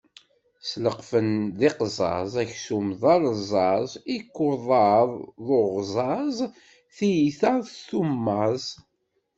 Sleqfen d iqzaẓ, aksum d aleẓẓaẓ, ikukaḍ d uɣẓaẓ, tiyita n tummaẓ.